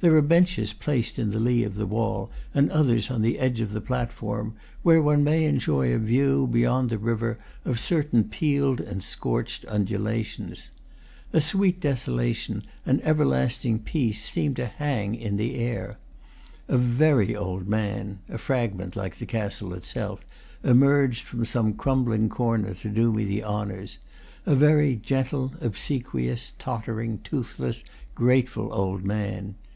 There are benches placed in the lee of the wall, and others on the edge of the platform, where one may enjoy a view, beyond the river, of certain peeled and scorched undulations. A sweet desolation, an everlasting peace, seemed to hang in the air. A very old man (a fragment, like the castle itself) emerged from some crumbling corner to do me the honors, a very gentle, obsequious, tottering, toothless, grateful old man.